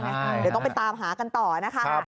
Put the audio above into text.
เดี๋ยวต้องไปตามหากันต่อนะคะ